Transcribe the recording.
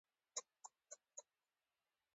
علي ته یې تایید کړه.